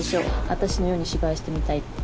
私のように芝居してみたいって。